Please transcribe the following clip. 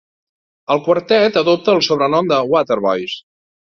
El quartet adopta el sobrenom de "waterboys".